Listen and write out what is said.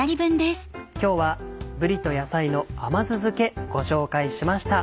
今日は「ぶりと野菜の甘酢漬け」ご紹介しました。